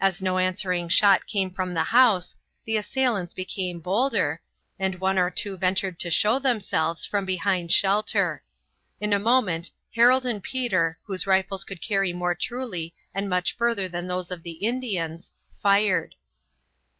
As no answering shot came from the house the assailants became bolder, and one or two ventured to show themselves from, behind shelter. In a moment Harold and Peter, whose rifles would carry more truly and much further than those of the Indians, fired.